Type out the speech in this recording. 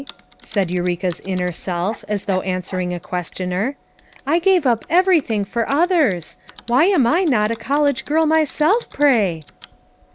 said Eureka's inner self as though an swering a questioner, "I gave up everything for others. Why am I not a college girl my self, pray!"